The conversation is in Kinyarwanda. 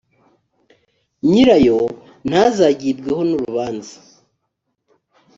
nyirayo ntazagibweho n urubanza